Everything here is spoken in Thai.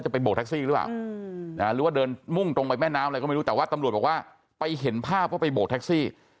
ไปแม่น้ำอะไรก็ไม่รู้แต่ว่าตำรวจบอกว่าไปเห็นภาพว่าไปโบกแท็กซี่